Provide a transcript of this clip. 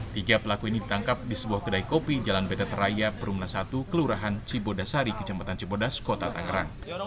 tiga pelaku ini ditangkap di sebuah kedai kopi jalan betet raya perumna satu kelurahan cibodasari kecamatan cibodas kota tangerang